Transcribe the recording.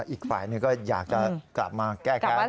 อีกฝ่ายหนึ่งก็อยากจะกลับมาแก้แค้น